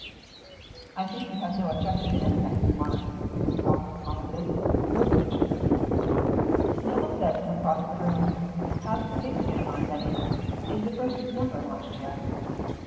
"I think you have no objection to any kind of remarks," Mrs. Crawford commented. "You are fortunate." Nevill said from across the room, "How's the paper getting on, Eddy? Is the first number launched yet?"